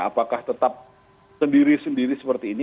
apakah tetap sendiri sendiri seperti ini